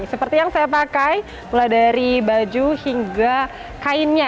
seperti yang saya pakai mulai dari baju hingga kainnya